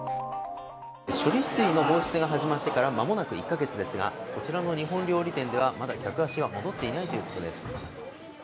処理水の放出が始まってから間もなく１か月ですがこちらの日本料理店ではまだ客足が戻っていないということです。